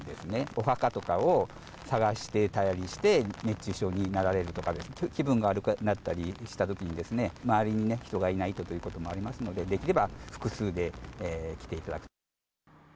お墓とかを探してたりして、熱中症になられるとか、気分悪くなったりしたときにですね、周りに人がいないということもありますので、できれば複数で来ていただく。